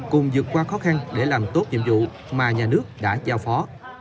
cùng dự qua khó khăn để làm tốt nhiệm vụ mà nhà nước đã giao phó